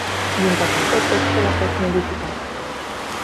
Din păcate, textul a fost modificat.